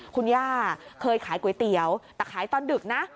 คุณย่าเคยขายก๋วยเตี๋ยวแต่ขายตอนดึกนะ